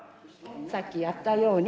さっきやったように。